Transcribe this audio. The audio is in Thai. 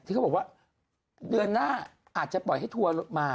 เขาบอกว่าเดือนหน้าอาจจะปล่อยให้ทัวร์มา